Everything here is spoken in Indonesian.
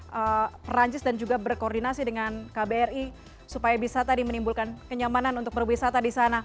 pemerintah perancis dan juga berkoordinasi dengan kbri supaya bisa tadi menimbulkan kenyamanan untuk berwisata di sana